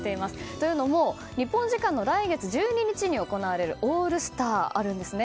というのも日本時間の来月１２日に行われるオールスターがあるんですね。